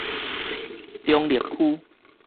中壢區